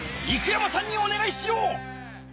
生山さんにおねがいしよう！